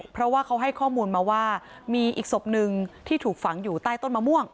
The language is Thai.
เพราะว่าเขาให้ข้อมูลมาว่ามีอีกศพหนึ่งที่ถูกฝังอยู่ใต้ต้นมะม่วง